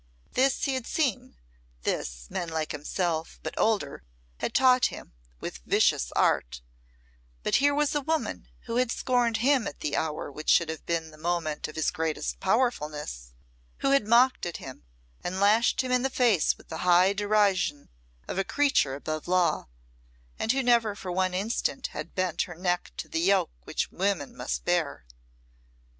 This he had seen; this, men like himself, but older, had taught him with vicious art; but here was a woman who had scorned him at the hour which should have been the moment of his greatest powerfulness, who had mocked at and lashed him in the face with the high derision of a creature above law, and who never for one instant had bent her neck to the yoke which women must bear.